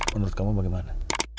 menurut kamu bagaimana